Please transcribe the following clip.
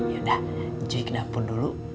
yaudah cuy ke dapur dulu